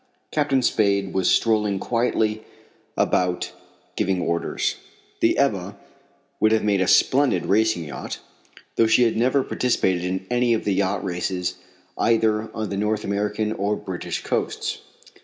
Captain Spade was strolling quietly about giving orders. The Ebba would have made a splendid racing yacht, though she had never participated in any of the yacht races either on the North American or British coasts.